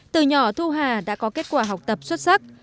từ nhỏ thu hà đã có kết quả học tập xuất sắc